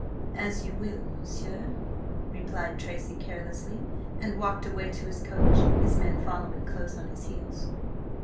"As you will, monsieur," replied Tracy carelessly, and walked away to his coach, his men following close on his heels.